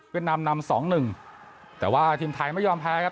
เวียดนามนำ๒๑แต่ว่าทีมไทยไม่ยอมแพ้ครับ